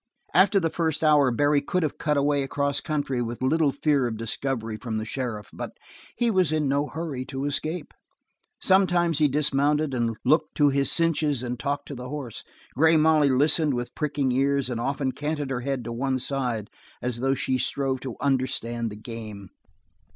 After the first hour Barry could have cut away across country with little fear of discovery from the sheriff, but he was in no hurry to escape. Sometimes he dismounted and looked to his cinches and talked to the horse. Grey Molly listened with pricking ears and often canted her head to one side as though she strove to understand the game.